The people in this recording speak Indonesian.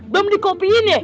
belum dikopiin ya